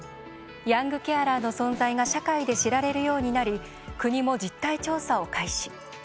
ヤングケアラーの存在が社会で知られるようになり国も実態調査を開始。